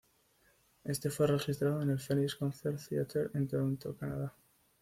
Este fue registrado en el Phoenix Concert Theatre en Toronto, Canadá.